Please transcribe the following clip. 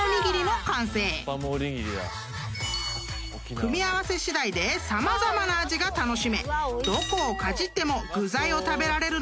［組み合わせ次第で様々な味が楽しめ］